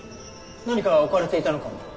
何か置かれていたのかも。